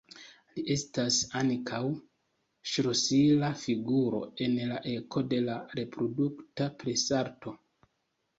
Li estas ankaŭ ŝlosila figuro en la eko de la reprodukta presarto.